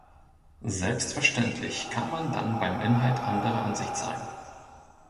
Selbstverständlich kann man dann beim Inhalt anderer Ansicht sein.